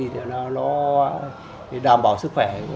để đảm bảo sức khỏe